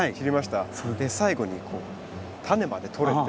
最後にこう種までとれて。